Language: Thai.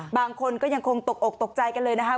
บางคนก็ยังคงตกอกตกใจกันเลยนะคะ